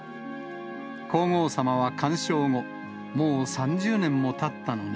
皇后さまは鑑賞後、もう３０年もたったのね。